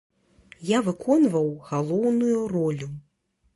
Я выконваў галоўную ролю.